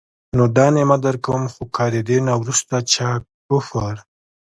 نو دا نعمت درکوم، خو که د دي نه وروسته چا کفر